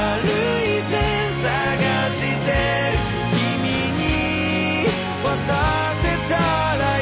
「君に渡せたらいい」